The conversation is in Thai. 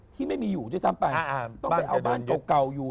ที่ไม่มีอยู่ด้วยซ้ำไปต้องไปเอาบ้านเก่าอยู่